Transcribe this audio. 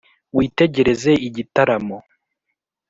witegereze igitaramo